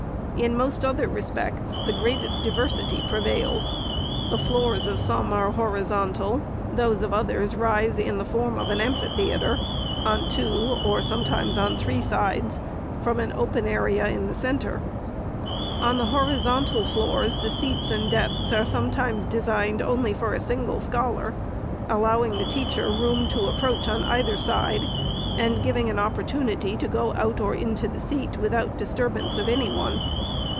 In most other respects, the greatest diversity prevails. The floors of some are horizontal ; those of others rise in the form of an amphitheatre, on two, or sometimes on three sides, from an open area in the centre. On the horizontal floors the seats and desks are sometimes designed only for a single scholar ; allowing the teacher room to ap proach on either side, and giving an opportunity to go out or into the seat, without disturbance of any one.